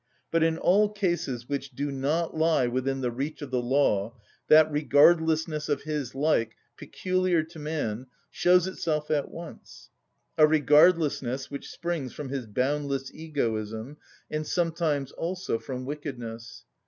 But in all cases which do not lie within the reach of the law, that regardlessness of his like, peculiar to man, shows itself at once; a regardlessness which springs from his boundless egoism, and sometimes also from wickedness.